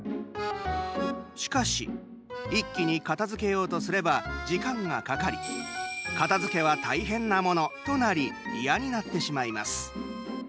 しかし、一気に片づけようとすれば時間がかかり片づけは大変なものとなりいやになってしまいます。